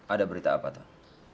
ada berita apa pak